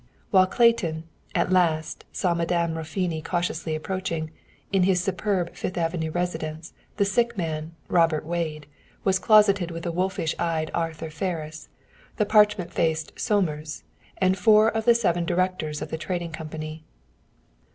While Clayton, at last, saw Madame Raffoni cautiously approaching, in his superb Fifth Avenue residence, the sick man, Robert Wade, was closeted with the wolfish eyed Arthur Ferris, the parchment faced Somers, and four of the seven directors of the Trading Company.